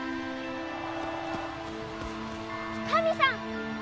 神さん！